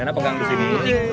rena pegang kesini